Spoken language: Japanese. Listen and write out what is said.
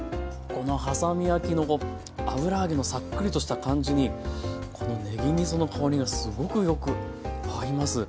このはさみ焼きの油揚げのサックリとした感じにこのねぎみその香りがすごくよく合います。